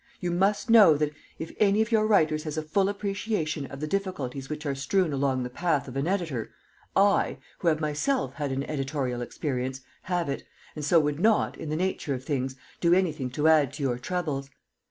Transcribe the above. You must know that if any of your writers has a full appreciation of the difficulties which are strewn along the path of an editor, I, who have myself had an editorial experience, have it, and so would not, in the nature of things, do anything to add to your troubles.